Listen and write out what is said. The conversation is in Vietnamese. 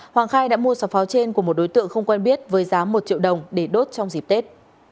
hoàng khai đã mua số pháo trên của một đối tượng không quen biết với giá một triệu đồng để đốt trong dịp tết